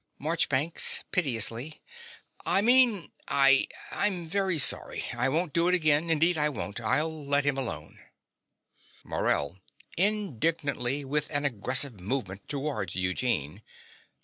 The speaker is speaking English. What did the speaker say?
MARCHBANKS (piteously). I mean I I'm very sorry. I won't do it again: indeed I won't. I'll let him alone. MORELL (indignantly, with an aggressive movement towards Eugene).